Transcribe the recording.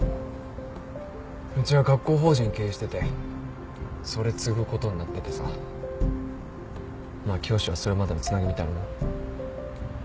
うちは学校法人経営しててそれ継ぐことになっててさまあ教師はそれまでのつなぎみたいなもん。